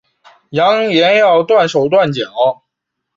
扬言要断手断脚